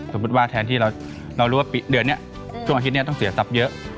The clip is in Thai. สมมุติว่าแทนที่เรารู้ว่าเดือนนี้ช่วงอาทิตย์นี้ต้องเสียทรัพย์เยอะ